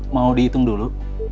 mau dihitung dulu